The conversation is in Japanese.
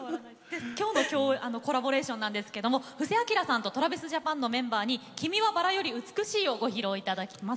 今日のコラボレーションなんですけども布施明さんとＴｒａｖｉｓＪａｐａｎのメンバーに「君は薔薇より美しい」をご披露頂きます。